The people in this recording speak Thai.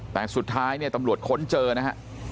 แต่สุดท้ายเนี่ยตำรวจค้นเจอนะฮะ